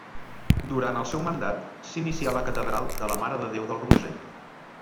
Durant el seu mandat, s'inicià la catedral de la Mare de Déu del Roser.